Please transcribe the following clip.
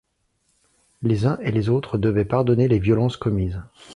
Les uns et les autres devaient pardonner les violences commises.